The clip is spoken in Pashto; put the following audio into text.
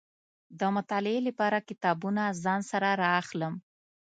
د مطالعې لپاره کتابونه ځان سره را اخلم.